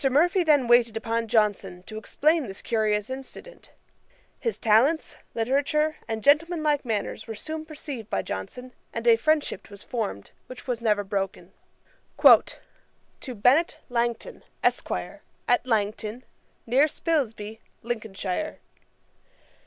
Murphy then waited upon Johnson, to explain this curious incident. His talents, literature, and gentleman like manners, were soon perceived by Johnson, and a friendship was formed which was never broken. [Page 357: Letter to Mr. Langston. Ætat 51.] 'To BENNET LANGTON, ESQ., AT LANGTON, NEAR SPILSBY, LINCOLNSHIRE.